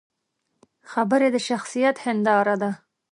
خبرې د شخصیت هنداره ده